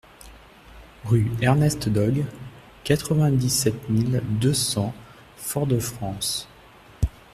Rue Ernest Dogue, quatre-vingt-dix-sept mille deux cents Fort-de-France